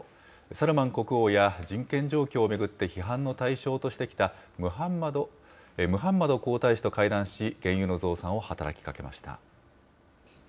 サルマン国王や、人権状況を巡って批判の対象としてきたムハンマド皇太子と会談し、原油の増産を働きかけました。